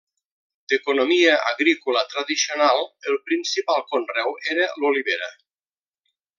D'economia agrícola tradicional el principal conreu era l'olivera.